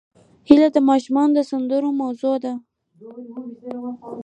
هیلۍ د ماشومانو د سندرو موضوع ده